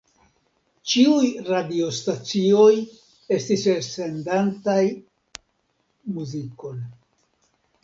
Ĉiuj radiostacioj estis elsendantaj muzikon.